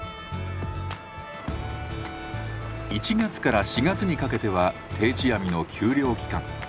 １月から４月にかけては定置網の休漁期間。